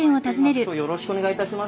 今日よろしくお願いいたします。